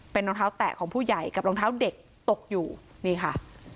เป็นรองเท้าแตะของผู้ใหญ่กับรองเท้าเด็กตกอยู่นี่ค่ะ